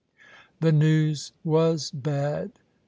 The news was bad.